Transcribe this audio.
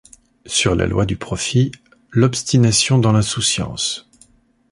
Sur la loi du profit, l'obstination dans l'insouciance.